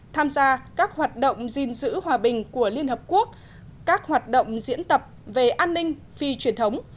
tham gia các hoạt động gìn giữ hòa bình của liên hợp quốc các hoạt động diễn tập về an ninh phi truyền thống